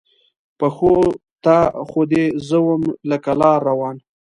پښو ته خو دې زه وم لکه لار روان